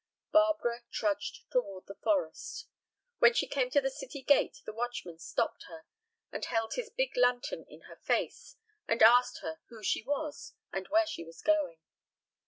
Barbara trudged toward the forest. When she came to the city gate the watchman stopped her, and held his big lantern in her face, and asked her who she was and where she was going.